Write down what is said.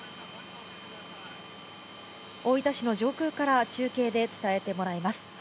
大分市の上空から中継で伝えてもらいます。